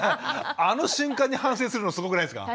あの瞬間に反省するのすごくないですか。